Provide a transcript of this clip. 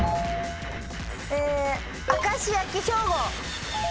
え明石焼き兵庫。